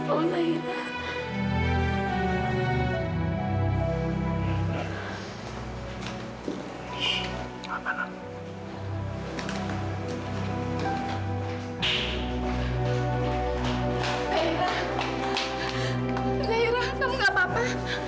mas prabu setakat papa